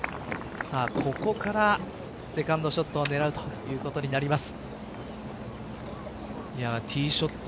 ここからセカンドショットを狙うということになります。